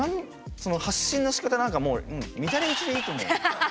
発信のしかた、なんかもう乱れ打ちでいいと思う。